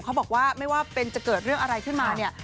เขาบอกว่าไม่ว่าเป็นจะเกิดเรื่องอะไรขึ้นมาเนี่ย